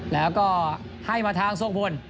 แล้วก็ให้มาทางทรงพล